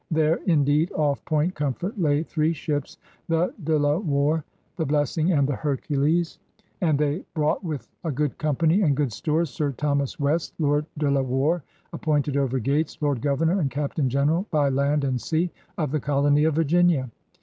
There, indeed, off Point Comfort lay three ships, the De La Warr, the Blessing, and the Hercules, and they brought, with a good company and good stores. Sir Thomas West, Lord De La Warr, appointed, over Gates, Lord Governor and Captain General, by land and sea, of the Colony of Virginia.